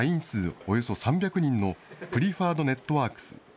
およそ３００人のプリファードネットワークス。